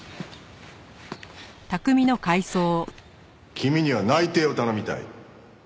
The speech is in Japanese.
君には内偵を頼みたい。